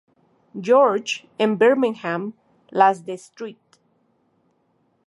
George en Birmingham; las de St.